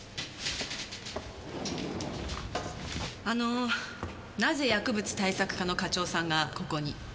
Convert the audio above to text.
あのーなぜ薬物対策課の課長さんがここに？